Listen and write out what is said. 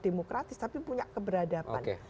demokratis tapi punya keberadaban